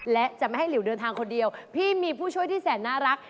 และจะไม่ให้หลิวเดินทางคนเดียวพี่มีผู้ช่วยที่แสนน่ารัก